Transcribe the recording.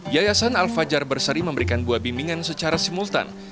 yayasan al fajar berseri memberikan buah bimbingan secara simultan